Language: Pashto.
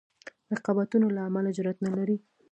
رقابتونو له امله جرأت نه لري.